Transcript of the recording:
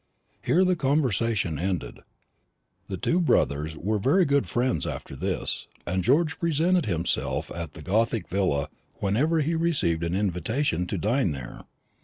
Here the conversation ended. The two brothers were very good friends after this, and George presented himself at the gothic villa whenever he received an invitation to dine there.